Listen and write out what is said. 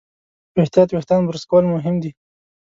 په احتیاط وېښتيان برس کول مهم دي.